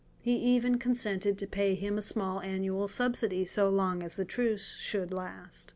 He even consented to pay him a small annual subsidy so long as the truce should last.